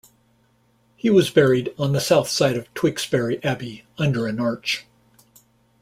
He was buried on the south side of Tewkesbury Abbey, under an arch.